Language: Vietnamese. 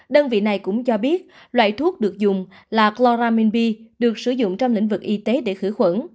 đơn vị này cũng cho biết loại thuốc được dùng là cloraminbi được sử dụng trong lĩnh vực y tế để khử khuẩn